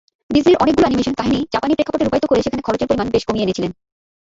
ডিজনির অনেকগুলো অ্যানিমেশন কাহিনী জাপানি প্রেক্ষাপটে রূপায়িত করে সেখানে খরচের পরিমাণ বেশ কমিয়ে এনেছিলেন।